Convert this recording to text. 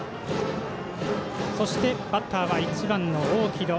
そして、バッターは１番の大城戸。